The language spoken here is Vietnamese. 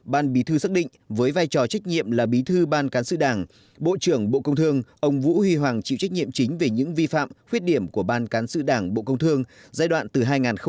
ban bí thư xác định với vai trò trách nhiệm là bí thư ban cán sự đảng bộ trưởng bộ công thương ông vũ huy hoàng chịu trách nhiệm chính về những vi phạm khuyết điểm của ban cán sự đảng bộ công thương giai đoạn hai nghìn một mươi một hai nghìn một mươi sáu